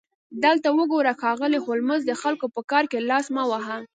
دلته وګوره ښاغلی هولمز د خلکو په کار کې لاس مه وهه